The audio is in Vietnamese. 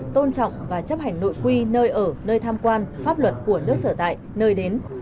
tôn trọng và chấp hành nội quy nơi ở nơi tham quan pháp luật của nước sở tại nơi đến